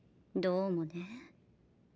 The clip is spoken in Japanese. どうもね。